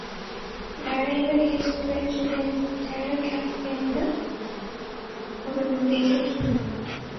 During his presidential campaign, Obama rejected the use of signing statements.